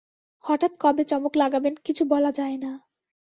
হঠাৎ কবে চমক লাগাবেন কিছু বলা যায় না।